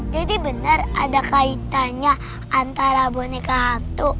jadi bener ada kaitannya antara boneka hantu